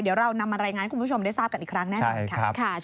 เดี๋ยวเรานำมารายงานให้คุณผู้ชมได้ทราบกันอีกครั้งแน่นอนค่ะ